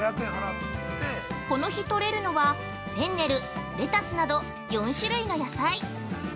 この日、とれるのは、フェンネルレタスなど４種類の野菜。